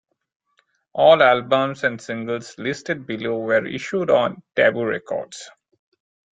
All albums and singles listed below were issued on Tabu Records.